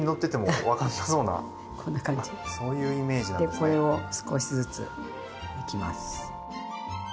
これを少しずついきます。